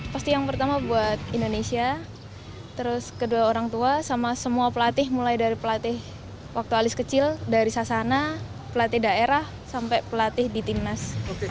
pasti yang pertama buat indonesia terus kedua orang tua sama semua pelatih mulai dari pelatih waktu alis kecil dari sasana pelatih daerah sampai pelatih di timnas